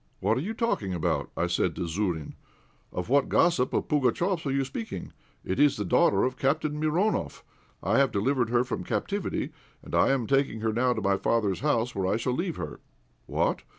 "What are you talking about?" I said to Zourine; "of what gossip of Pugatchéf's are you speaking? It is the daughter of Captain Mironoff. I have delivered her from captivity, and I am taking her now to my father's house, where I shall leave her." "What?